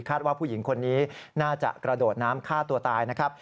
ว่าผู้หญิงคนนี้น่าจะกระโดดน้ำฆ่าตัวตายนะครับ